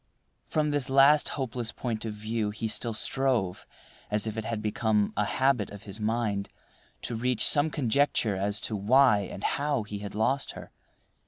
From this last hopeless point of view he still strove, as if it had become a habit of his mind, to reach some conjecture as to why and how he had lost her.